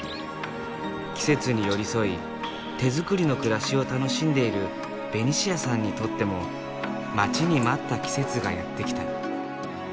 季節に寄り添い手づくりの暮らしを楽しんでいるベニシアさんにとっても待ちに待った季節がやってきた。